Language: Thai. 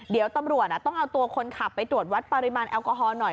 เดี๋ยวตำรวจต้องเอาตัวคนขับไปตรวจวัดปริมาณแอลกอฮอลหน่อย